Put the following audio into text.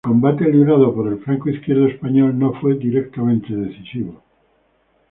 El combate librado por el flanco izquierdo español no fue directamente decisivo.